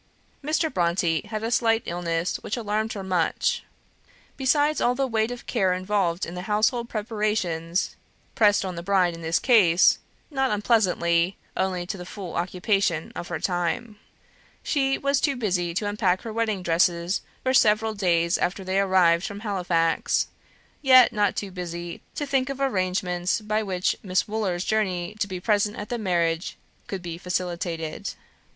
Mr. Brontë had a slight illness which alarmed her much. Besides, all the weight of care involved in the household preparations pressed on the bride in this case not unpleasantly, only to the full occupation of her time. She was too busy to unpack her wedding dresses for several days after they arrived from Halifax; yet not too busy to think of arrangements by which Miss Wooler's journey to be present at the marriage could be facilitated.